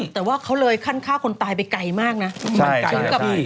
แต่ว่าเขาเลยคั่นฆ่าคนตายไปไกลมากนี้